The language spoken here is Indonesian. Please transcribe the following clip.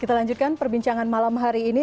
kita lanjutkan perbincangan malam hari ini